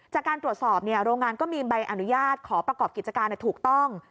จากการตรวจสอบโรงงานก็มีใบอนุญาตขอประกอบกิจการถูกต้อง